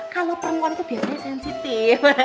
kalau perempuan itu biasanya sensitif